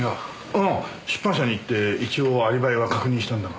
ああ出版社に行って一応アリバイは確認したんだが。